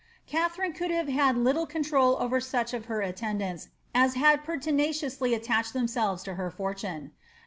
Katharine could have had little control over such of her attendants ss had pertinaciously attached themselves to her fortunes.